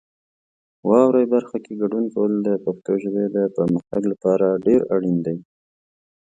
واورئ برخه کې ګډون کول د پښتو ژبې د پرمختګ لپاره ډېر اړین دی.